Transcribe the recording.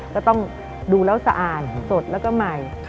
ก็ต้องดูแล้วสะอาดสดแล้วก็ใหม่